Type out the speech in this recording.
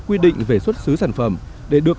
quy định về xuất xứ sản phẩm để được